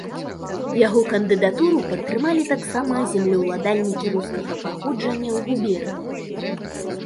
Яго кандыдатуру падтрымалі таксама землеўладальнікі рускага паходжання ў губерні.